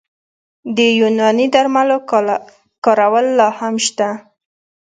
د یوناني درملو کارول لا هم شته.